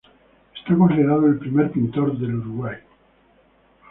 Es considerado el primer pintor del Uruguay.